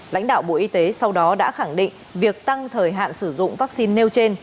lãnh đạo bộ y tế sau đó đã khẳng định việc tăng thời hạn sử dụng vaccine nêu trên